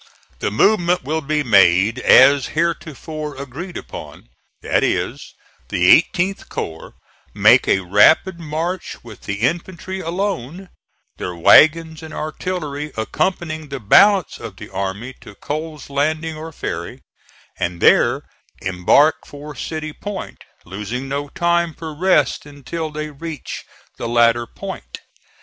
The movement will be made as heretofore agreed upon, that is, the 18th corps make a rapid march with the infantry alone, their wagons and artillery accompanying the balance of the army to Cole's Landing or Ferry, and there embark for City Point, losing no time for rest until they reach the latter point.